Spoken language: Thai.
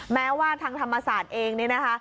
แม้ว่าทางธรรมศาสตร์เองเนี่ยนะคะ